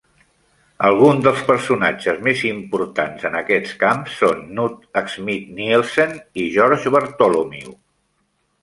Alguns dels personatges més importants en aquests camps són Knut Schmidt-Nielsen i George Bartholomew.